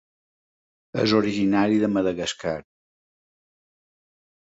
És originari de Madagascar.